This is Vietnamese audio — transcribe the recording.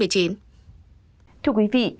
thưa quý vị